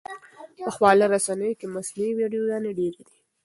په خواله رسنیو کې مصنوعي ویډیوګانې ډېرې دي.